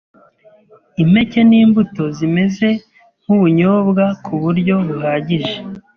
impeke n’imbuto zimeze nk’ubunyobwa ku buryo buhagije,